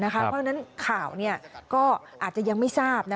เพราะฉะนั้นข่าวก็อาจจะยังไม่ทราบ